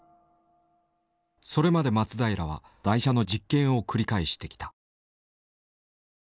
それまで松平は台車の実験を繰り返してきた。